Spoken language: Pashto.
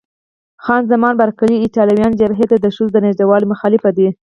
خان زمان بارکلي: ایټالویان جبهې ته د ښځو د نږدېوالي مخالف دي.